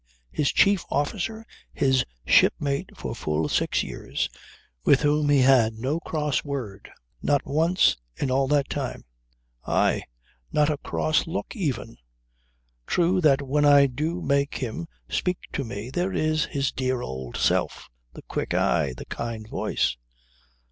His chief officer; his shipmate for full six years, with whom he had no cross word not once in all that time. Aye. Not a cross look even. True that when I do make him speak to me, there is his dear old self, the quick eye, the kind voice.